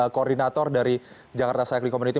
koordinator dari jakarta cycling community